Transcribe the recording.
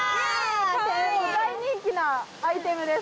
大人気なアイテムです